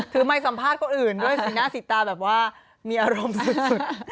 ถือไมค์สัมภาษณ์ก็อื่นด้วยสิ่งหน้าสิตาแบบว่ามีอารมณ์สุด